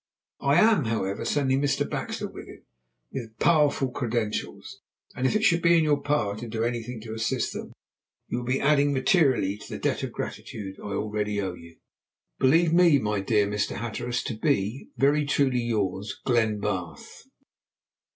I am, however, sending Mr. Baxter with him, with powerful credentials, and if it should be in your power to do anything to assist them you will be adding materially to the debt of gratitude I already owe you. "Believe me, my dear Mr. Hatteras, to be, "Very truly yours, "GLENBARTH."